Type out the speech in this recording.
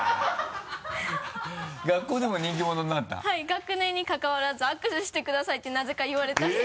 学年にかかわらず「握手してください」ってなぜか言われたり。